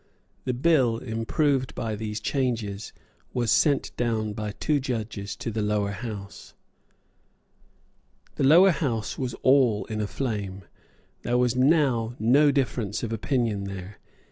The bill, improved by these changes, was sent down by two judges to the Lower House. The Lower House was all in a flame. There was now no difference of opinion there.